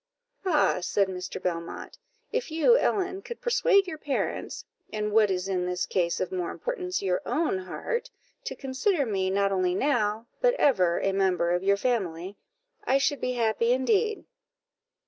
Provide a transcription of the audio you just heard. "Ah!" said Mr. Belmont, "if you, Ellen, could persuade your parents, and, what is in this case of more importance, your own heart, to consider me not only now, but ever, a member of your family, I should be happy indeed."